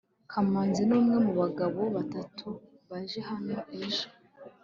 kamanzi numwe mubagabo batatu baje hano ejo